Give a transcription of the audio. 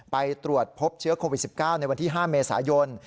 ไปตรวจพบเชื้อโควิด๑๙ในวันที่๕เมษายน